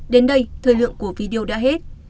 đến đây thời lượng của video đã hết